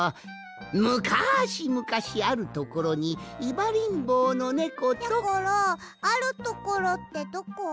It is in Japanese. むかしむかしあるところにいばりんぼうのネコと。やころあるところってどこ？